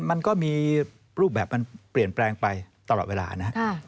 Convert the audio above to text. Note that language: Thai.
มันก็มีรูปแบบมันเปลี่ยนแปลงไปตลอดเวลานะ